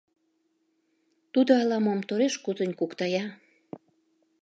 Тудо ала-мом тореш-кутынь куктая.